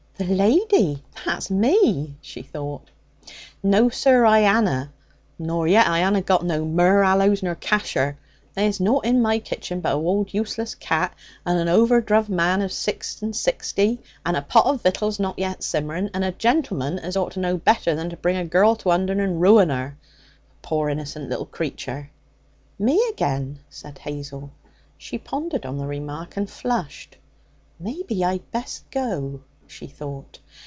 ('The lady! That's me!' she thought.) 'No, sir, I anna. Nor yet I anna got no myrrh, aloes, nor cassher. There's nought in my kitchen but a wold useless cat and an o'erdruv man of six and sixty, a pot of victuals not yet simmering, and a gentleman as ought to know better than to bring a girl to Undern and ruin her a poor innocent little creature.' 'Me again,' said Hazel. She pondered on the remark and flushed. 'Maybe I'd best go,' she thought.